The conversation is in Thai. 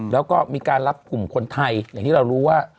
แล้วก็มีการรับกลุ่มคนไทยอย่างที่เรารู้ว่า